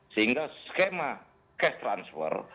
sehingga skema cash transfer